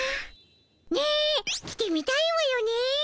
ね着てみたいわよね。